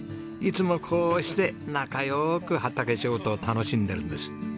いつもこうして仲良く畑仕事を楽しんでるんです。